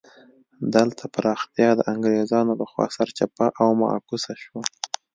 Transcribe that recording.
دلته پراختیا د انګرېزانو له خوا سرچپه او معکوسه شوه.